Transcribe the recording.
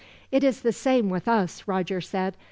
"It is the same with us," Roger said.